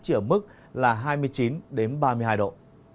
chỉ ở mức là hai mươi chín ba mươi hai độ